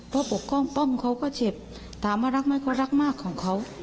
เพราะปกป้องป้อมเขาก็เจ็บถามว่ารักไหมเขารักมากของเขา